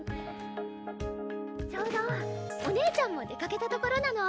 ちょうどお姉ちゃんも出かけたところなの。